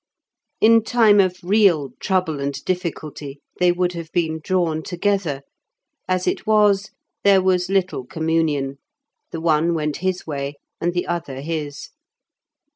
In time of real trouble and difficulty they would have been drawn together; as it was, there was little communion; the one went his way, and the other his.